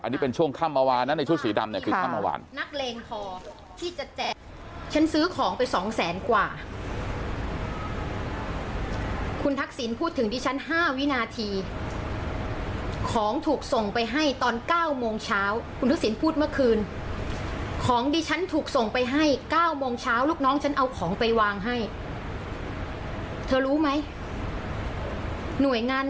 อันนี้เป็นช่วงค่ำมะวานในชุดสีดำคือค่ำมะวาน